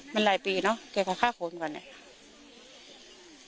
มันหลายปีเนอะแกก็ฆ่าคนก่อนเนี่ย